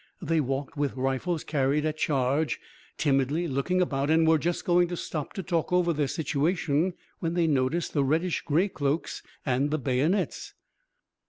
They walked with rifles carried at charge, timidly looking about and were just going to stop to talk over their situation, when they noticed the reddish grey cloaks and the bayonets.